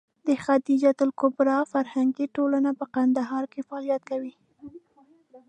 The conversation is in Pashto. د خدېجه الکبرا فرهنګي ټولنه په کندهار کې فعالیت کوي.